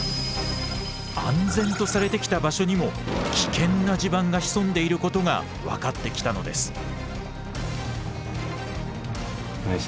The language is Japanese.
安全とされてきた場所にも危険な地盤が潜んでいることが分かってきたのです。